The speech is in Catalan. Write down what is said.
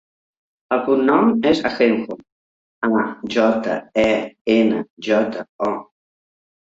El cognom és Ajenjo: a, jota, e, ena, jota, o.